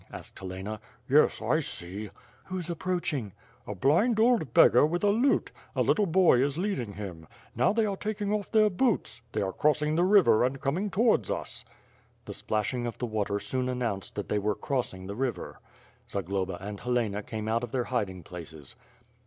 asked Helena. "Yes, I see." "Who's approaching?" "A l)lind old beggar with a lute. A little boy is leading him. Now they are taking off their boots. They are cross ing the river, and coming towards us." ^Hie splashing of the water soon announced that they were crossing the river. Zagloba and Helena came out of their hiding places.